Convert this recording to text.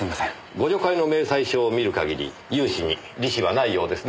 互助会の明細書を見る限り融資に利子はないようですね。